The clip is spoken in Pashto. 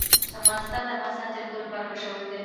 افغانستان د د افغانستان جلکو لپاره مشهور دی.